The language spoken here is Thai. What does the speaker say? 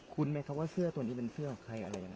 คุ้นไหมว่าเสื้อตัวนี้เป็นเสื้ออะไร